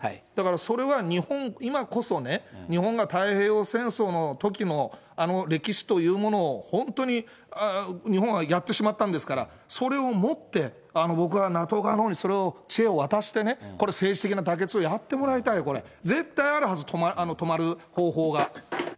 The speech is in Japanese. だからそれは、日本は今こそね、日本が太平洋戦争のときの、あの歴史というものを本当に日本はやってしまったんですから、それをもって、僕はＮＡＴＯ側のほうにそれを知恵を渡してね、これ、政治的な妥結をやってもらいたいよ、これ。